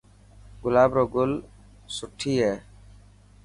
گلاب روگل سني هي.